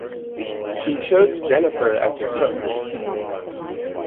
She chose Jenifer as her coach.